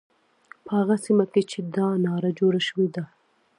په هغه سیمه کې چې دا ناره جوړه شوې ده.